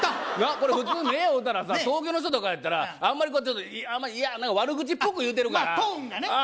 これ普通目合うたらさ東京の人とかやったらあんまりこうちょっとあんま嫌な悪口っぽく言うてるからまあトーンがねああ